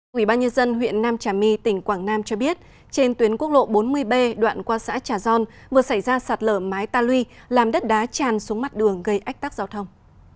quỹ ban nhân dân huyện nam trà my tỉnh quảng nam cho biết trên tuyến quốc lộ bốn mươi b đoạn qua xã trà gion vừa xảy ra sạt lở mái ta lui làm đất đá tràn xuống mắt đường gây ách tắc giao thông